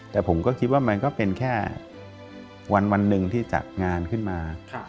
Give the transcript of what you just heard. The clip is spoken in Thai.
แต่ผมก็คิดว่ามันก็เป็นแค่วันหนึ่งที่จัดงานขึ้นมา